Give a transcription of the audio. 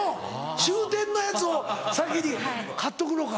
終点のやつを先に買っとくのか。